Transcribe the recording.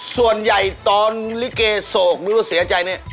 ส่วนใหญ่ตอนลิเกสวกนิดว่าเสียใจนี่